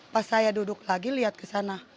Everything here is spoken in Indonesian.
pas saya duduk lagi lihat ke sana